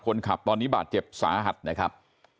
คนขับตอนนี้บาดเจ็บสาหัสนะครับ